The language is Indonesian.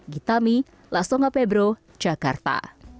gitami lastonga pebro jakarta